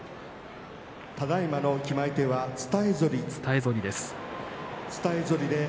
ただいまの決まり手は伝え反りです。